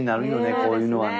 こういうのはね。